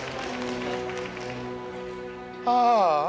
ああ。